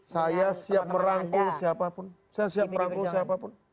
saya siap merangkul siapapun